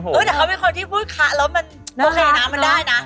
ครับผมเดี๋ยวเขาเป็นคนที่พูดคะแล้วมันโอเคนะมันได้นะ